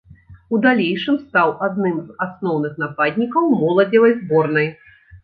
У далейшым стаў адным з асноўных нападнікаў моладзевай зборнай.